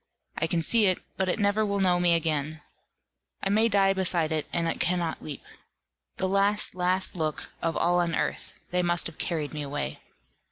I can see it, but it never will know me again; I may die beside it, and it cannot weep. The last last look of all on earth they must have carried me away.